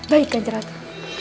baik kanci ratu